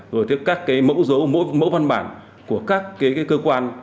rồi các cái mẫu dấu mẫu văn bản của các cái cơ quan